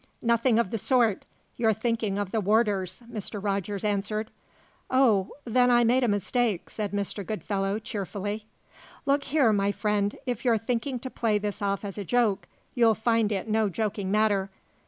"Nothing of the sort. You're thinking of the warders," Mr. Rogers answered. "Oh? Then I made a mistake," said Mr. Goodfellow, cheerfully. "Look here, my friend, if you're thinking to play this off as a joke you'll find it no joking matter.